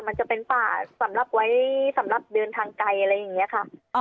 มันจะเป็นป่าสำหรับเดินทางไกลอะไรอย่างนี้ค่ะ